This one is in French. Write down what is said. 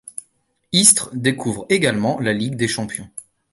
Istres découvre également la Ligue des Champions.